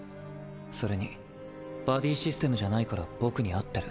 それにバディシステムじゃないから僕に合ってる。